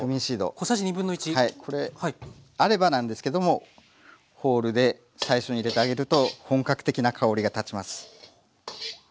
これあればなんですけどもホールで最初に入れてあげると本格的な香りがたちます。